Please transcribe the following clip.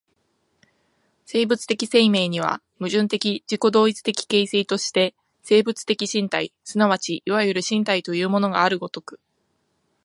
生物的生命には、矛盾的自己同一的形成として生物的身体即ちいわゆる身体というものがある如く、